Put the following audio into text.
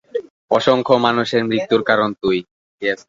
অসংখ্য মানুষের মৃত্যুর কারণ তুই।